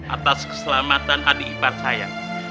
atas keselamatan adik ipar saya